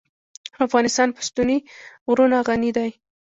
افغانستان په ستوني غرونه غني دی.